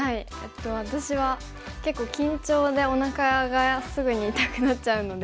私は結構緊張でおなかがすぐに痛くなっちゃうので。